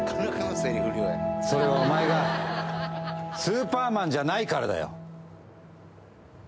それはお前がスーパーマンじゃないからだよ。